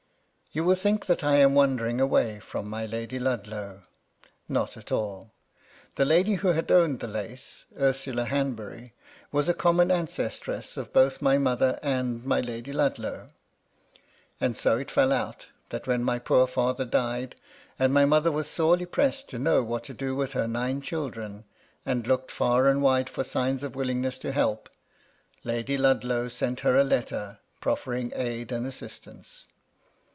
You will think that I am wandering away from my Lady Ludlow. Not at all. The Lady who had owned the lace, Ursula Han bury, was a common ancestress of both my m(.ther and my Lady Ludlow. And so it fell out, that when my poor father died, and my mother was sorely pressed to know what to do with her nine children, and looked fai and wide for signs of willingness to help. Lady Ludlow sent her a letter, proffering aid and assistance.